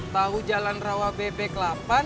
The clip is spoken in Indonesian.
tahu jalan rawa bp ke delapan